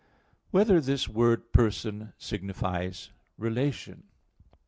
4] Whether This Word "Person" Signifies Relation?